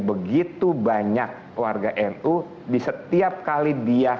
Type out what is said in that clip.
begitu banyak warga nu di setiap kali dia